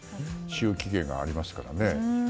使用期限がありますからね。